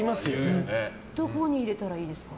どこに入れたらいいんですか？